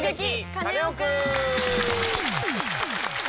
カネオくん」！